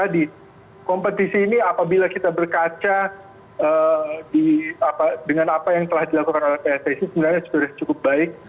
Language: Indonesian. jadi kompetisi ini apabila kita berkaca dengan apa yang telah dilakukan oleh pssi sebenarnya sudah cukup baik